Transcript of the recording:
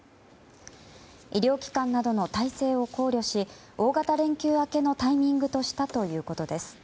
医療機関などの体制を考慮し大型連休明けのタイミングとしたということです。